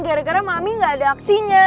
gara gara mami gak ada aksinya